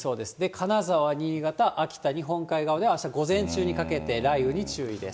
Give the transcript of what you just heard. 金沢、新潟、秋田、日本海側ではあした午前中にかけて雷雨に注意です。